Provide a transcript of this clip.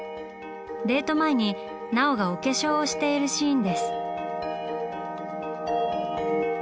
デート前に奈緒がお化粧をしているシーンです。